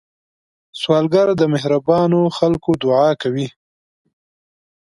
سوالګر د مهربانو خلکو دعا کوي